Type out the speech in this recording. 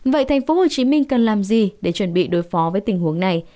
vậy tp hcm cần làm gì để chuẩn bị đối phó với tình huống này